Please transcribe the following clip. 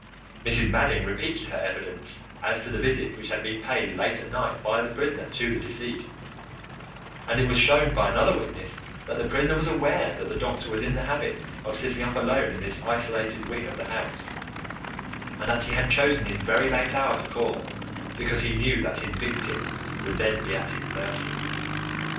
Mrs. Madding repeated her evidence as to the visit which had been paid late at night by the prisoner to the deceased, and it was shown by another witness that the prisoner was aware that the doctor was in the habit of sitting up alone in this isolated wing of the house, and that he had chosen this very late hour to call because he knew that his victim would then be at his mercy.